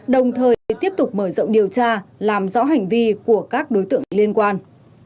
đồng thời tiếp tục mở rộng điều tra làm rõ hành vi của các đối tượng liên quan